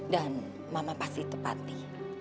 dan mama pasti tepati